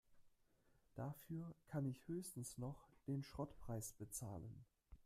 Dafür kann ich höchstens noch den Schrottpreis bezahlen.